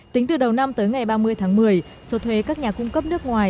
tính từ đầu năm tới ngày ba mươi tháng một mươi số thuế các nhà cung cấp nước ngoài